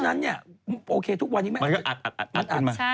เพราะฉะนั้นโอเคทุกวันยังไงอัดมันก็เป็นไง